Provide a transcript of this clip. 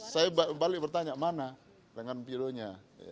saya balik bertanya mana rekanan videonya